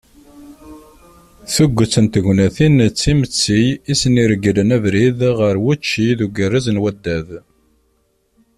Tuget n tegnatin d timetti i asen-iregglen abrid ɣer wučči d ugerrez n waddad.